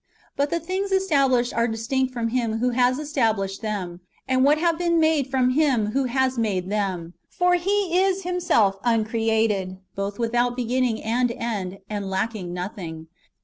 "^ But the things established are distinct from Him who has established them, and what have been made from Him who has made them. For He is Plimself uncreated, both without beginning and end, and lacking nothing.